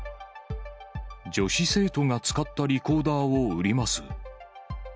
女子生徒が使ったリコーダーを売ります。